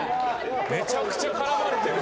めちゃくちゃ絡まれてる。